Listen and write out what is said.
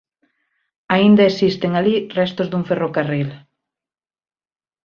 Aínda existen alí restos dun ferrocarril.